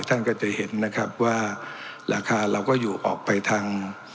ท่านก็จะเห็นนะครับว่าราคาเราก็อยู่ออกไปทาง